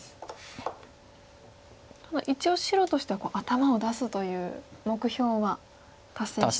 ただ一応白としては頭を出すという目標は達成しましたね。